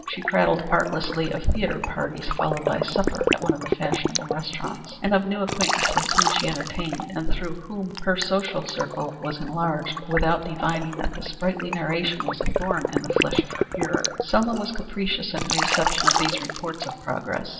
She prattled artlessly of theatre parties followed by a supper at one of the fashionable restaurants, and of new acquaintances whom she entertained, and through whom her social circle was enlarged, without divining that the sprightly narration was a thorn in the flesh of her hearer. Selma was capricious in her reception of these reports of progress.